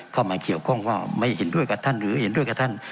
เข้ามาเกี่ยวข้องว่าไม่เห็นด้วยกับท่านหรือเห็นด้วยกับท่าน